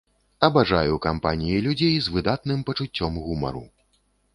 Абажаю кампаніі людзей з выдатным пачуццём гумару.